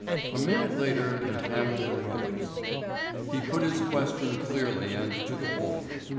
A minute later and Hampden rose. He put his question clearly and to the point.